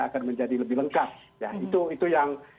akan menjadi lebih lengkap ya itu yang